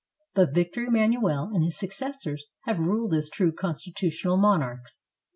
But Victor Emmanuel and his successors have ruled as true con stitutional monarchs.